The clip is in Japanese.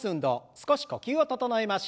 少し呼吸を整えましょう。